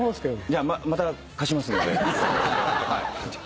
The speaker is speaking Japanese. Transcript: じゃあまた貸しますんで。